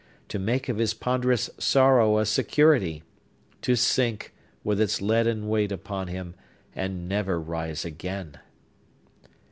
To make of his ponderous sorrow a security! To sink, with its leaden weight upon him, and never rise again!